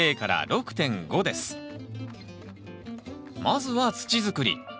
まずは土づくり。